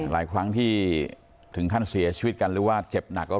หลายครั้งที่ถึงขั้นเสียชีวิตกันหรือว่าเจ็บหนักแล้ว